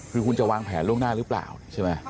คือคุณจะวางแผนล่วงหน้าหรือเปล่าใช่ไหม